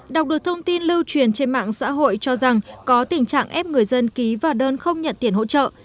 đọc được thông tin lưu truyền trên mạng xã hội cho rằng có tình trạng ép người dân ký vào đơn không nhận tiền hỗ trợ